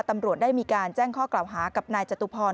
ตำรวจได้มีการแจ้งข้อกล่าวหากับนายจตุพร